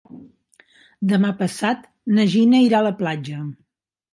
Demà passat na Gina irà a la platja.